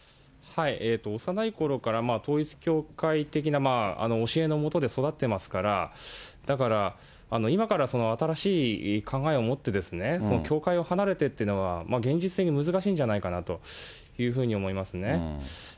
幼いころから、統一教会的な教えのもとで育ってますから、だから今から新しい考えを持って、教会を離れてっていうのは、現実的に難しいんじゃないかなというふうに思いますね。